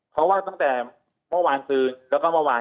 เขาว่าตั้งแต่เมื่อวานซืนแล้วก็เมื่อวาน